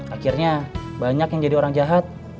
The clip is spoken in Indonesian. akhirnya banyak yang jadi orang jahat